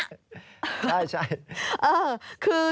ใช่